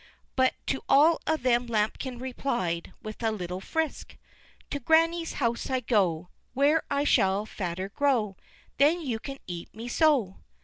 But to all of them Lambikin replied, with a little frisk: "To granny's house I go, Where I shall fatter grow, Then you can eat me so."